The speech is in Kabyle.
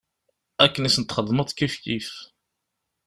Akken i sent-txedmeḍ kifkif.